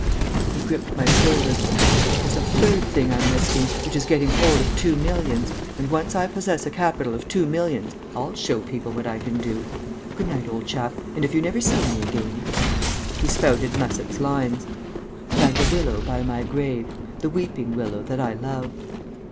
He gripped my shoulder. "But there's a third thing I'm risking, which is getting hold of two millions.... And, once I possess a capital of two millions, I'll show people what I can do! Good night, old chap, and, if you never see me again...." He spouted Musset's lines: "Plant a willow by my grave, The weeping willow that I love...."